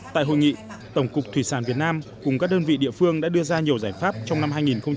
tại hội nghị tổng cục thủy sản việt nam cùng các đơn vị địa phương đã đưa ra nhiều giải pháp trong năm hai nghìn một mươi chín